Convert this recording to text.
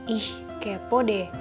ih kepo deh